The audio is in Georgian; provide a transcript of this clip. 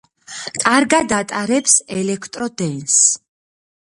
კარგად ატარებს ელექტრო დენს.